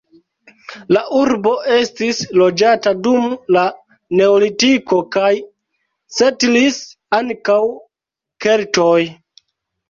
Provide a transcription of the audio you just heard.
La urbo estis loĝata dum la neolitiko kaj setlis ankaŭ keltoj.